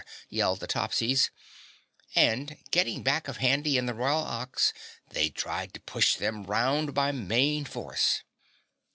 yelled the Topsies. And getting back of Handy and the Royal Ox, they tried to push them round by main force.